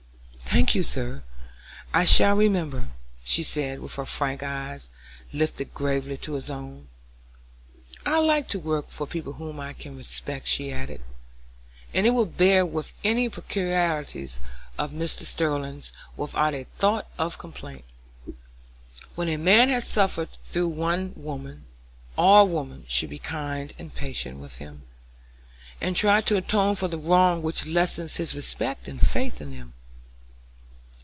"Thank you, sir, I shall remember," she said, with her frank eyes lifted gravely to his own. "I like to work for people whom I can respect," she added, "and will bear with any peculiarities of Mr. Sterling's without a thought of complaint. When a man has suffered through one woman, all women should be kind and patient with him, and try to atone for the wrong which lessens his respect and faith in them."